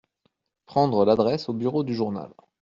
Prendre l'adresse au bureau du journal.